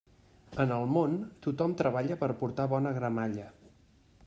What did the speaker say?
En el món tothom treballa per portar bona gramalla.